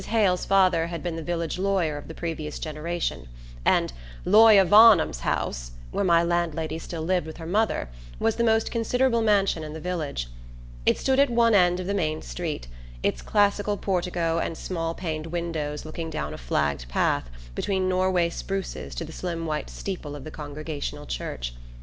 Hale's father had been the village lawyer of the previous generation, and "lawyer Varnum's house," where my landlady still lived with her mother, was the most considerable mansion in the village. It stood at one end of the main street, its classic portico and small paned windows looking down a flagged path between Norway spruces to the slim white steeple of the Congregational church.